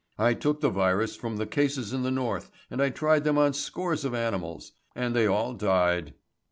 I took the virus from the cases in the north and I tried them on scores of animals. And they all died.